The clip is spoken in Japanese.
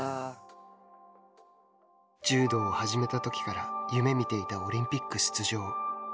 柔道を始めたときから夢見ていたオリンピック出場。